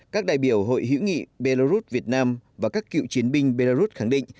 các đại biểu hội hữu nghị belarus việt nam và các cựu chiến binh belarus khẳng định